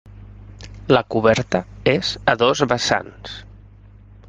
La coberta és a dos vessants.